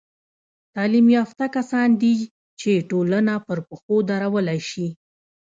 تعلیم یافته کسان دي، چي ټولنه پر پښو درولاى سي.